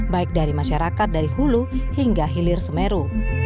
baik dari masyarakat dari hulu hingga hilir semeru